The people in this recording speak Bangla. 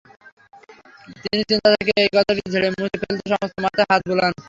তিনি চিন্তা থেকে এই কথাটি ঝেড়ে-মুছে ফেলতে সমস্ত মাথায় হাত বুলান।